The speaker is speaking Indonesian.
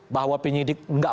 bahwa penyidik tidak